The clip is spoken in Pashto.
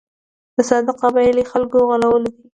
د ساده قبایلي خلکو غولول دي.